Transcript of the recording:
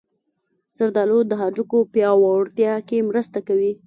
زردالو د هډوکو پیاوړتیا کې مرسته کوي.